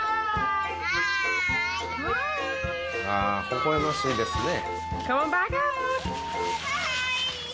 ほほえましいですね。